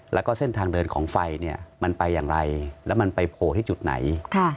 แล้วก็เส้นทางเดินของไฟเนี่ยมันไปอย่างไรแล้วมันไปโผล่ที่จุดไหน